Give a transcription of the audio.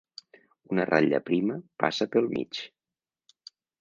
Una ratlla prima passa pel mig.